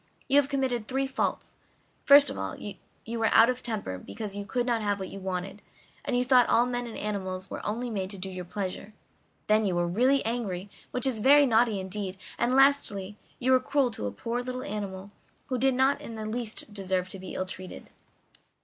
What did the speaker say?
"You have committed three faults. First of all, you were out of temper because you could not have what you wanted, and you thought all men and animals were only made to do your pleasure; then you were really angry, which is very naughty indeed; and lastly, you were cruel to a poor little animal who did not in the least deserve to be ill treated.